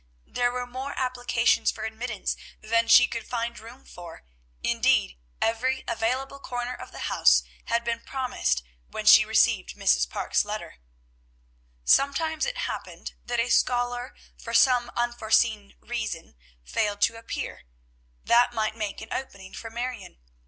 There were more applications for admittance than she could find room for; indeed, every available corner of the house had been promised when she received Mrs. Parke's letter. Sometimes it happened that a scholar for some unforeseen reason failed to appear; that might make an opening for Marion.